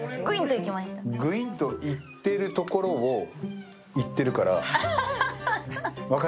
ぐいんといっているところをいってるから、分かる？